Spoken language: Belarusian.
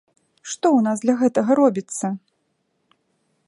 Што ў нас для гэтага робіцца?